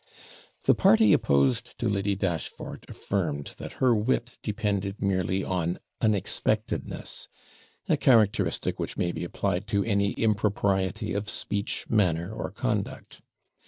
The party opposed to Lady Dashfort affirmed that her wit depended merely on unexpectedness; a characteristic which may be applied to any impropriety of speech, manner, or conduct.